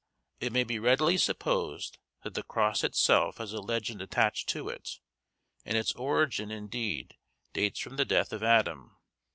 It may be readily supposed, that the cross itself has a legend attached to it, and its origin indeed dates from the death of Adam.